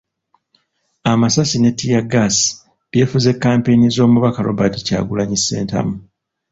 Amasasi ne ttiyaggaasi byefuze kampeyini z'Omubaka Robert Kyagulanyi Ssentamu.